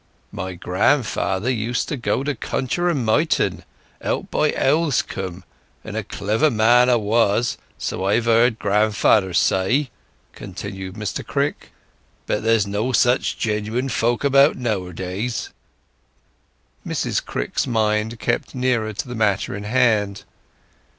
"My grandfather used to go to Conjuror Mynterne, out at Owlscombe, and a clever man a' were, so I've heard grandf'er say," continued Mr Crick. "But there's no such genuine folk about nowadays!" Mrs Crick's mind kept nearer to the matter in hand.